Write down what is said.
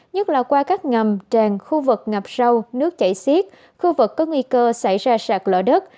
nhất là qua các ngầm tràn khu vực ngập sâu nước chảy xiết khu vực có nguy cơ xảy ra sạt lỡ đất